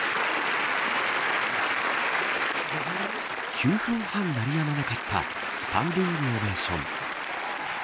９分半、鳴り止まなかったスタンディングオベーション。